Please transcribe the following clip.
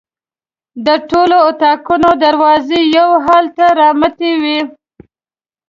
د ټولو اطاقونو دروازې یو حال ته رامتې وې.